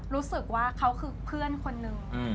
รู้สึกว่าเขาคือเพื่อนคนนึง